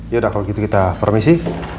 yaudah kalau gitu kita permisi